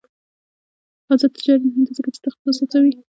آزاد تجارت مهم دی ځکه چې تخصص هڅوي.